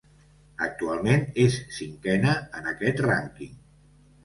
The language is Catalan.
Actualment és cinquena en aquest rànquing.